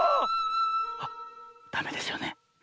あダメですよね？